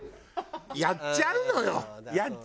やっちゃうのよ。